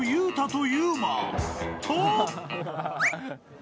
［と］